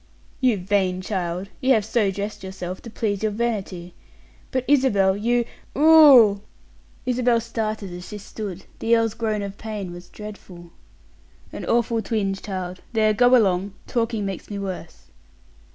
"You vain child! You have so dressed yourself to please your vanity. But, Isabel, you oooh!" Isabel started as she stood; the earl's groan of pain was dreadful. "An awful twinge, child. There, go along; talking makes me worse."